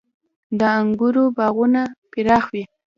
• د انګورو باغونه پراخ وي.